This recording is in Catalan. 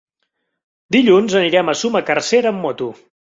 Dilluns anirem a Sumacàrcer amb moto.